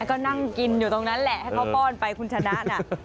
ก็นั่งกินอยู่ตรงนั้นแหละให้เขาป้อนไปคุณชนะน่ะ